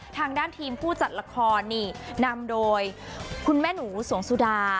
ทางด้านทีมผู้จัดละครนี่นำโดยคุณแม่หนูสวงสุดา